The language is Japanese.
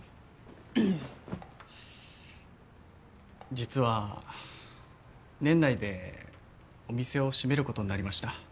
実は年内でお店を閉めることになりました。